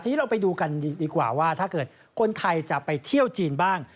ทีนี้เราไปดูกันดีกว่าว่าถ้าเกิดคนไทยจะไปเที่ยวจีนบ้าง